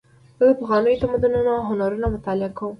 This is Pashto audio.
زه د پخوانیو تمدنونو هنرونه مطالعه کوم.